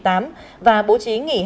sẽ tạo điều kiện cho doanh nghiệp